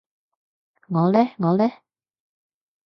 我呢我呢？